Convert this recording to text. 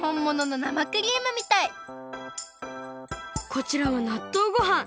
こちらはなっとうごはん。